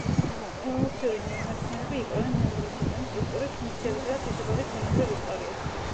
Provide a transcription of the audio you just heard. ევოლუციური ნეირომეცნიერები იკვლევენ ნერვული სისტემის სტრუქტურის, ფუნქციებისა და თვისებების ბუნებრივ ისტორიას.